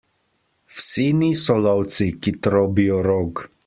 Vsi niso lovci, ki trobijo rog.